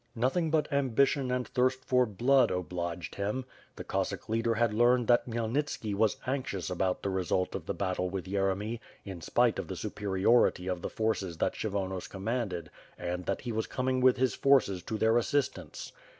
Nothing but ambition and thirst for blood, obliged him. The Cossack leader had learned that Khymelnitski was anxious about the result of the battle with Yeremy, in spite of the superiority of the forces that Kshyvonos commanded and that he was coming with his forces to their assistance.